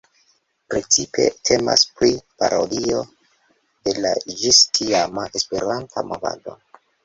Precipe temas pri parodio de la ĝis-tiama Esperanta movado.